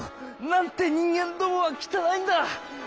なんて人間どもは汚いんだ！」。